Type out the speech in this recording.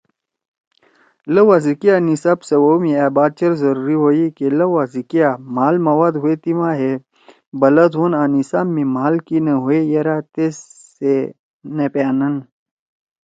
لؤا سی کیا نصاب سوَؤ می أ بات چیر ضروری ہوئی کہ لؤا سی کیا مھال مواد ہوئے تیِما ہے بلَد ہوَن آں نصاب می مھال کی نہ ہوئے یرأ تیس سے نہ پیانَن۔